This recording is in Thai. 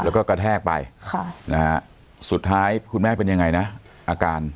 แล้วก็กระแทกไปสุดท้ายคุณแม่เป็นยังไงนะอาการ